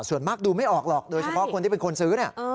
ส่วนมากดูไม่ออกหรอกโดยเฉพาะคนที่เป็นคนซื้อเนี่ย